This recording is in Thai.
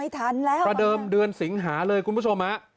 แต่เดิมเดือนสิงหาเลยคุณผู้ชม